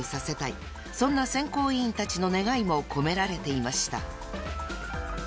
［そんな選考委員たちの願いも込められていました］